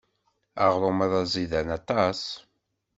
Aɣrum-a d aẓidan aṭas.